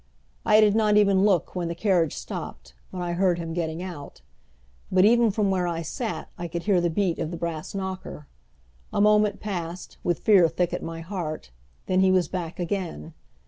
I did not even look when the carriage stopped, when I heard him getting out. But even from where I sat I could hear the beat of the brass knocker. A moment passed, with fear thick at my heart; then he was back again.